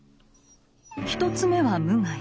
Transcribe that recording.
１つ目は無害。